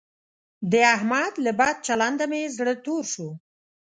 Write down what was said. د احمد له بد چلنده مې زړه تور شو.